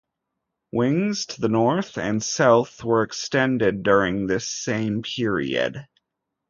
Wings to the north and south were extended during this same period.